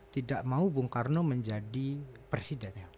tidak mau bung karno menjadi presiden